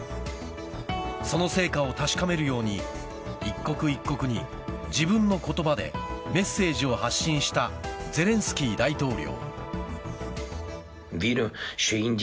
その成果を確かめるように一国一国に自分の言葉でメッセージを発信したゼレンスキー大統領。